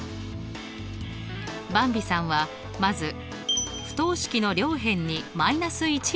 ばんびさんはまず不等式の両辺に−１をかけました。